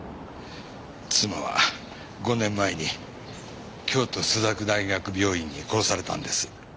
妻は５年前に京都朱雀大学病院に殺されたんです。